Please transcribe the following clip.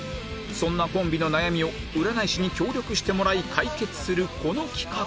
そんなコンビの悩みを占い師に協力してもらい解決するこの企画